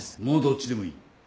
もうどっちでもいい。